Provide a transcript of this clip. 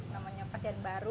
namanya pasien baru